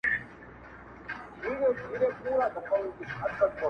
ستا په خاموشۍ کي هم کتاب کتاب خبري دي,